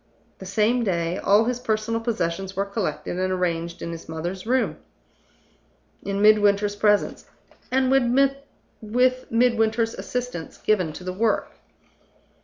The same day, all his personal possessions were collected and arranged in his mother's room in Midwinter's presence, and with Midwinter's assistance given to the work.